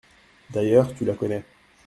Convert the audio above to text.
D’ailleurs, tu la connais.